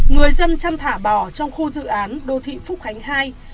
người dân chăn thả bỏ trong khu dự án đô thị phúc khánh ii